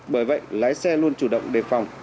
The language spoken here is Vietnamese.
bởi vậy lái xe luôn chủ động đề phòng